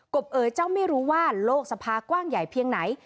บเอ๋ยเจ้าไม่รู้ว่าโลกสภากว้างใหญ่เพียงไหน